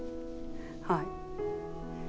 はい。